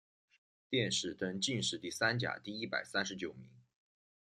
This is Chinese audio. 殿试登进士第三甲第一百三十九名。